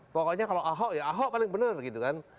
pokoknya kalau ahok ya ahok paling benar gitu kan